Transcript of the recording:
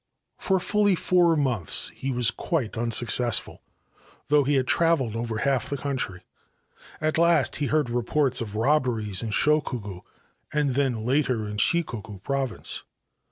For fully four months he was quite unsuccessful, though he had travelled half over the country. At last he heard reports of robberies in Chugoku, and then later in Shikoku Province.